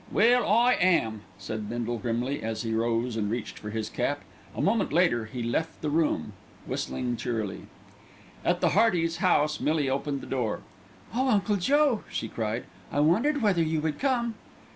"Well, I am," said Bindle grimly, as he rose and reached for his cap. A moment later he left the room, whistling cheerily. At the Heartys' house Millie opened the door. "Oh, Uncle Joe!" she cried, "I wondered whether you would come."